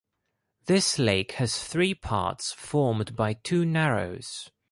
This lake has three parts formed by two narrows.